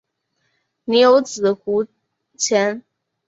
宁有子胡虔。